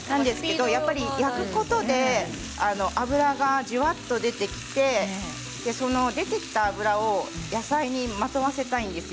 焼くことで脂がじわっと出てきて出てきた脂を野菜にまとわせたいんです。